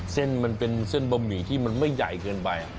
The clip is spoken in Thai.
เส้นมันเป็นเส้นบะหมี่ที่มันไม่ใหญ่เกินไป